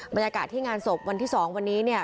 บรรยากาศที่งานศพวันที่๒วันนี้เนี่ย